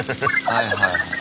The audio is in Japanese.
はいはいはい。